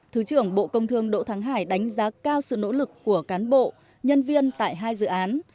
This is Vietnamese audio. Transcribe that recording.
thứ trưởng bộ công thương đỗ thắng hải đánh giá cao sự nỗ lực của cán bộ nhân viên tại hai dự án